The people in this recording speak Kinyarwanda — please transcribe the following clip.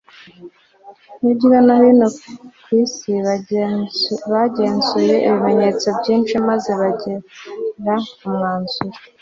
hirya no hino ku isi bagenzuye ibimenyetso byinshi maze bagera ku mwanzuro